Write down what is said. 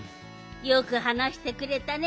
よくはなしてくれたね。